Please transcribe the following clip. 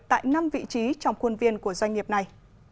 tại năm vị trí trong khuôn viên của doanh nghiệp này